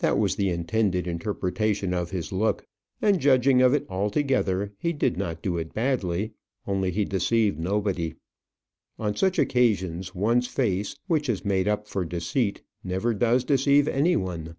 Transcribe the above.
That was the intended interpretation of his look. And judging of it altogether, he did not do it badly; only he deceived nobody. On such occasions, one's face, which is made up for deceit, never does deceive any one.